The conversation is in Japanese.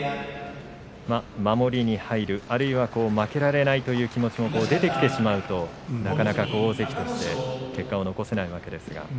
守りに入る負けられないという気持ちが出てきてしまうとなかなか大関として結果を残せないわけですね。